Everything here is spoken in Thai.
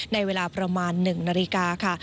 ในเวลาประมาณ๑นาฬิกาค่ะ